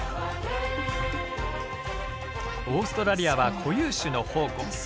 オーストラリアは固有種の宝庫。